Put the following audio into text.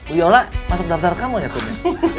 uyola masuk daftar kamu ya tunggu